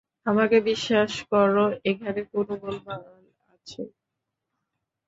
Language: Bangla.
আমাকে বিশ্বাস কর, এখানে কোন গোলমাল আছে।